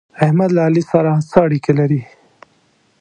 احمد له علي سره څه اړېکې لري؟